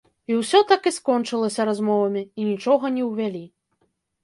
І ўсё так і скончылася размовамі, і нічога не ўвялі.